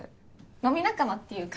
飲み仲間っていうか。